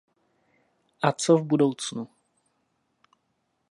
A co v budoucnu?